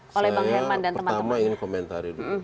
saya pertama ingin komentari